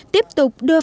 tiếp tục đưa phong trào